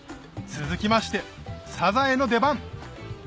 続きましてサザエの出番